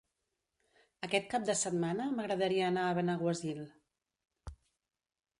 Aquest cap de setmana m'agradaria anar a Benaguasil.